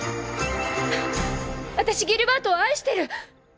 あたしギルバートを愛してる！